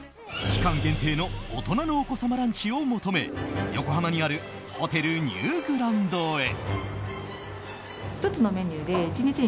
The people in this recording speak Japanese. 期間限定の大人のお子様ランチを求め横浜にあるホテルニューグランドへ。